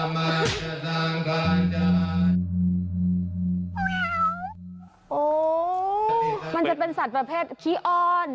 มันจะเป็นสัตว์ประเภทคี่อ้อน